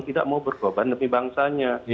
tidak mau berkoban demi bangsanya